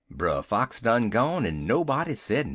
"Brer Fox done gone, en nobody say nuthin'.